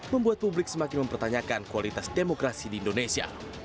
membuat publik semakin mempertanyakan kualitas demokrasi di indonesia